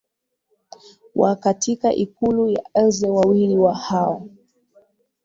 wa katika ikulu ya el ze wawili hao